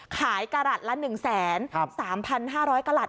ขายกระหลัดละ๑แสน๓๕๐๐กระหลัด